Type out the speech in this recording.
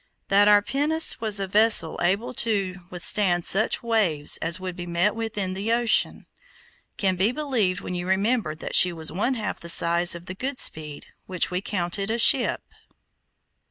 That our pinnace was a vessel able to withstand such waves as would be met with in the ocean, can be believed when you remember that she was one half the size of the Goodspeed, which we counted a ship.